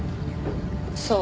そう。